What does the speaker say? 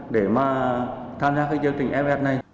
để mà tham gia các chương trình ff này